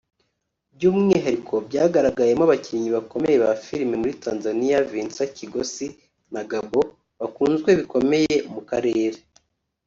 by’umwihariko byagaragayemo abakinnyi bakomeye ba filime muri Tanzania Vincent Kigosi na Gabon bakunzwe bikomeye mu Karere